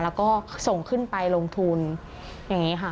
แล้วก็ส่งขึ้นไปลงทุนอย่างนี้ค่ะ